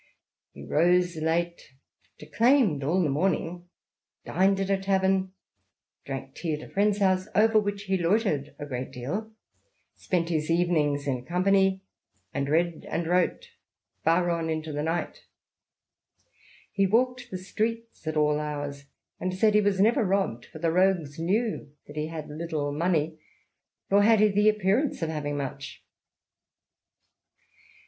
He rose late, ^'declaimed all the morning/' dined at a tavern, drank tea at a friend's house, " over which he loitered a great while," spent his evenings in company, and read and wrote far on into the night " He walked the streets at all hours, and said he was never robbed, for the rogues knew that he had little money, nor had he the appearance of having much."